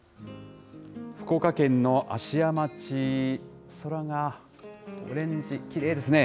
福岡県の芦屋町、空がオレンジ、きれいですね。